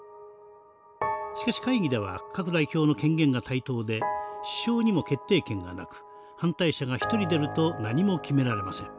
しかし会議では各代表の権限が対等で首相にも決定権がなく反対者が１人出ると何も決められません。